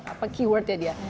apa keywordnya dia